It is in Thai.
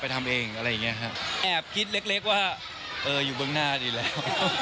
แอบคิดเล็กว่าเอออยู่เบื้องหน้าดีแล้ว